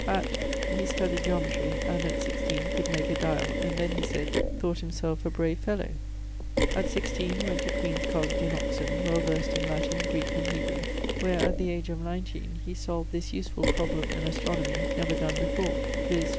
At ... he studyed Geometry, and at 16 could make a dyall, and then, he said, thought himselfe a brave fellow. At <16> went to Queen's Colledge in Oxon, well versed in Latin, Greeke, and Hebrew: where, at the age of nineteen, he solved this useful probleme in astronomie, never donne before, ☞ viz.